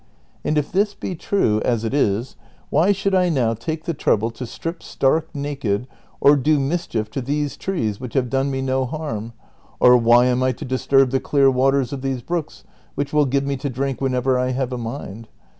And if this be true, as it is, why should I now take the trouble to strip stark naked, or do mis chief to these trees which have done me no harm, or why am I to disturb the clear waters of these brooks which will give me to drink whenever I have a mind